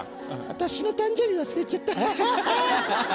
「私の誕生日忘れちゃったハハハ！」。